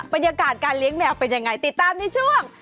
บรรยากาศการเลี้ยงแมวเป็นยังไงติดตามในช่วง